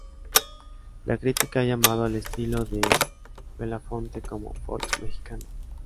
La crítica ha llamado el estilo de Belafonte como "folk mexicano".